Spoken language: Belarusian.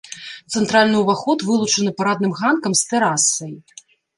Цэнтральны ўваход вылучаны парадным ганкам з тэрасай.